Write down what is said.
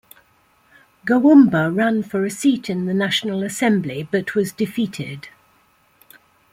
Goumba ran for a seat in the National Assembly but was defeated.